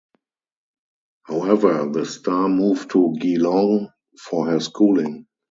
However, the star moved to Geelong for her schooling.